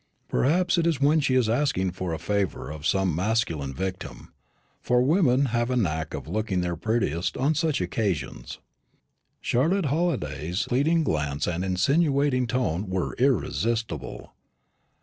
Perhaps it is when she is asking a favour of some masculine victim for women have a knack of looking their prettiest on such occasions. Charlotte Halliday's pleading glance and insinuating tone were irresistible.